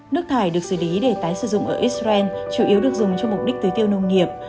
nước thải được xử lý để tái sử dụng ở israel chủ yếu được dùng cho mục đích tưới tiêu nông nghiệp